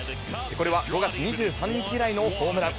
これは５月２３日以来のホームラン。